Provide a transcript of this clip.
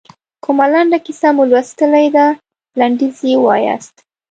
کومه لنډه کیسه مو لوستلې ده لنډیز یې ووایاست.